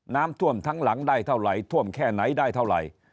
น้ำท่วมทั้งหลังได้เท่าไหร่ท่วมแค่ไหนได้เท่าไหร่